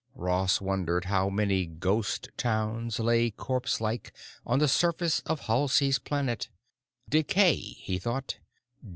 Ross wondered how many Ghost Towns lay corpselike on the surface of Halsey's Planet. Decay, he thought.